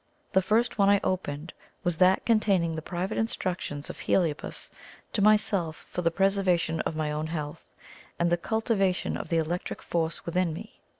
The first one I opened was that containing the private instructions of Heliobas to myself for the preservation of my own health, and the cultivation of the electric force within me.